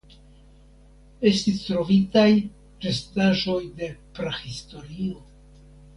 Estis trovitaj restaĵoj de prahistorio.